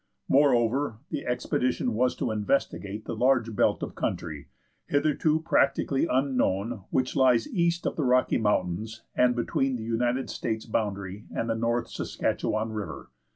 Moreover, the expedition was to investigate the large belt of country, hitherto practically unknown, which lies east of the Rocky Mountains and between the United States boundary and the North Saskatchewan River.